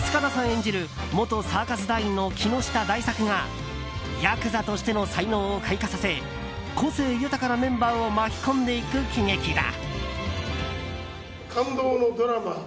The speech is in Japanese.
演じる元サーカス団員の木下大作がヤクザとしての才能を開花させ個性豊かなメンバーを巻き込んでいく喜劇だ。